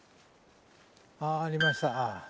あありました。